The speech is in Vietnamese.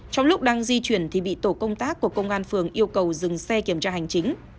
trong lúc đang di chuyển thì bị tổ công tác của công an phường yêu cầu dừng xe kiểm tra hành chính